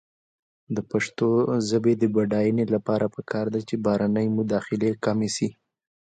د پښتو ژبې د بډاینې لپاره پکار ده چې بهرنۍ مداخلې کمې شي.